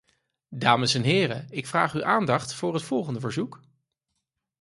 Dames en heren, ik vraag uw aandacht voor het volgende verzoek.